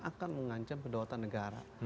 akan mengancam kedaulatan negara